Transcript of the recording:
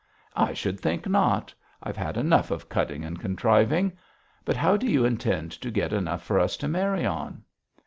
'I should think not. I've had enough of cutting and contriving. But how do you intend to get enough for us to marry on?'